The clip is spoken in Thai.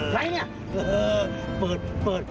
ใครนี่